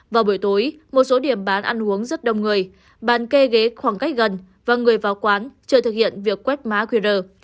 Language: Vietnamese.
vào buổi tối một số điểm bán ăn uống rất đông người bàn kê ghế khoảng cách gần và người vào quán chưa thực hiện việc quét má quy rờ